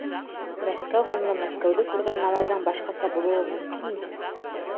Мәскәү һынлы Мәскәүҙе күргән малайҙың башҡаса булыуы мөмкинме һуң?